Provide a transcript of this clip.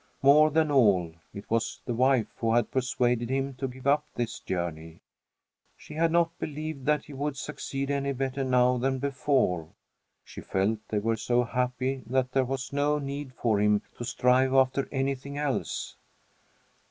More than all, it was the wife who had persuaded him to give up this journey. She had not believed that he would succeed any better now than before. She felt they were so happy that there was no need for him to strive after anything else.